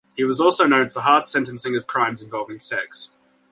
He was also known for hard sentencing of crimes involving sex.